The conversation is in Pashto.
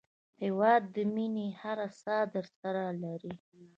هېواد د مینې هره ساه درسره لري.